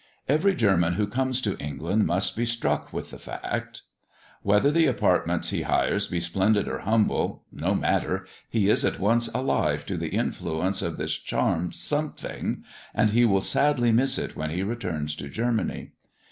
Every German who comes to England must be struck with the fact. Whether the apartments he hires be splendid or humble no matter, he is at once alive to the influence of this charmed something, and he will sadly miss it when he returns to Germany.